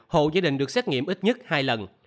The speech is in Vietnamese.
hộ gia đình được xét nghiệm ít nhất hai lần